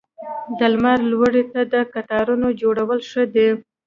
د لمر لوري ته د قطارونو جوړول ښه دي؟